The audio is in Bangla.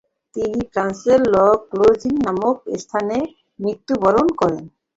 তিনি ফ্রান্সের ল্য ক্রোয়াজিক নামক স্থানে মৃত্যুবরণ করেন।